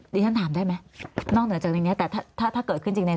เพราะถ้าเข้าไปอ่านมันจะสนุกมากแปลว่ามันสนุกมาก